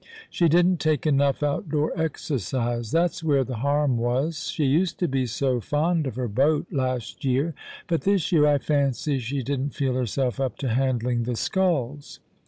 She didn't take enough outdoor exercise, that's where the harm was. She used to be so fond of her boat last year, but this year I fancy she didn't feel herself up to handling the sculls.